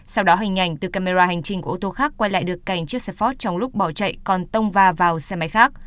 sau đó hình ảnh từ camera hành trình của ô tô khác quay lại được cảnh chiếc xe ford trong lúc bỏ chạy còn tông va vào xe máy khác